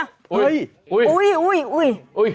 เฮ้ยอุ๊ยอุ๊ยอุ๊ย